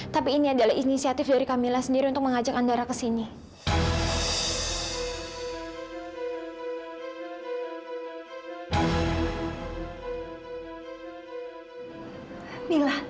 tapi ini adalah inisiatif dari kamila sendiri untuk mengajak andara ke sini